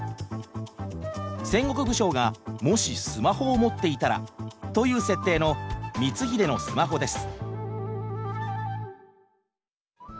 「戦国武将がもしスマホを持っていたら」という設定の「光秀のスマホ」です。